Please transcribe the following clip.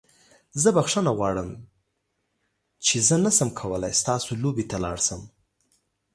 زه بخښنه غواړم چې زه نشم کولی ستاسو لوبې ته لاړ شم.